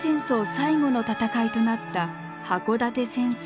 最後の戦いとなった箱館戦争。